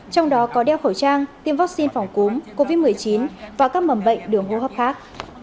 trong đó có đeo khẩu trang tiêm vaccine phòng cúm covid một mươi chín và các mầm bệnh đường hô hấp khác